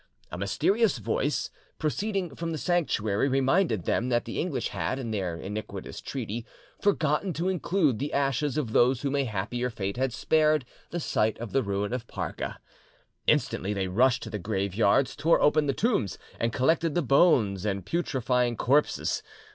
A mysterious voice, proceeding from the sanctuary, reminded them that the English had, in their iniquitous treaty, forgotten to include the ashes of those whom a happier fate had spared the sight of the ruin of Parga. Instantly they rushed to the graveyards, tore open the tombs, and collected the bones and putrefying corpses.